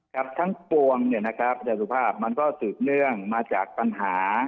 ครับทั้งปวงเนี่ยนะครับอาจารย์สุภาพมันก็สืบเนื่องมาจากปัญหา